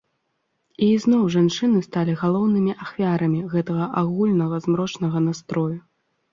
І ізноў жанчыны сталі галоўнымі ахвярамі гэтага агульнага змрочнага настрою.